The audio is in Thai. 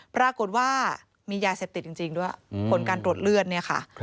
ปรากฏว่ามียาเสพติดจริงด้วยผลการตรวจเลือดเนี่ยค่ะ